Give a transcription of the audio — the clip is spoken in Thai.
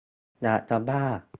อยากจะบ้า